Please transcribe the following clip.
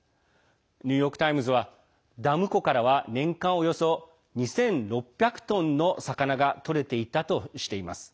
ニューヨーク・タイムズはダム湖からは年間およそ２６００トンの魚が取れていたとしています。